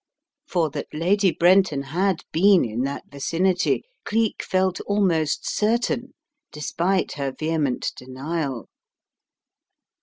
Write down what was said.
For that Lady Brenton had been in that vicinity, Cleek felt almost certain despite her vehement denial.